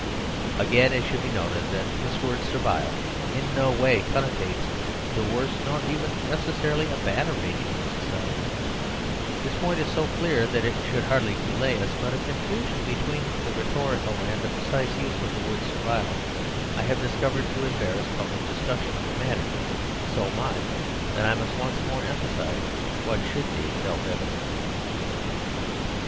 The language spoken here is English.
Again, it should be noted that this word " servile " in no way connotes the worst, nor even necessarily a bad, arrangement of society, This point is so clear that it should hardly delay us ; but a confusion be tween the rhetorical and the precise use of the word servile I have discovered to embarrass public dis cussion of the matter so much that I must once more emphasise what should be self evident.